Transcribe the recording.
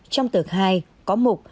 trong tờ khai có mục